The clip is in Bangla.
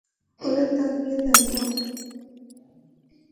উপরে তাকিয়ে দেখো!